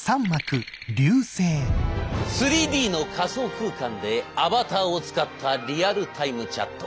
３Ｄの仮想空間でアバターを使ったリアルタイムチャット。